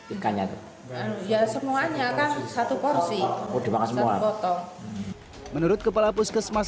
ikannya ya semuanya akan satu porsi udah banget semua botol menurut kepala puskesmas